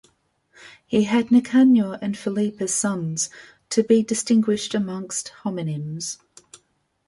He had Nicanor and Philippe as sons, to be distinguished amongst homonyms.